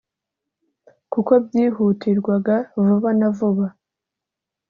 kuko byihutirwaga vuba na vuba